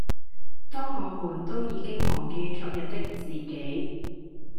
當我們都已經忘記昨日的自己